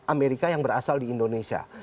amerika yang berasal di indonesia